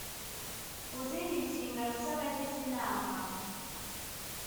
ku zindi nshingano z abagize inama